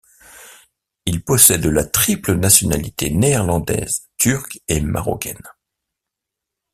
Il possède la triple nationalité néerlandaise, turque et marocaine.